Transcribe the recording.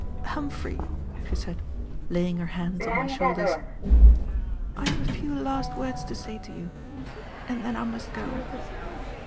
"Humphrey," she said, laying her hands on my shoulders, "I have a few last words to say to you, and then I must go.